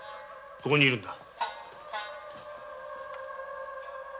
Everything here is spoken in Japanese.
ここにいるのだ。